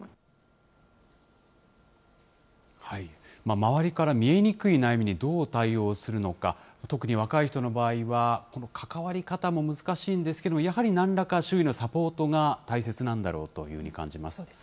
周りから見えにくい悩みにどう対応するのか、特に若い人の場合は、関わり方も難しいんですけども、やはりなんらか、周囲のサポートが大切なんだろうというふうに感じます。